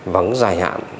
vắng dài hạn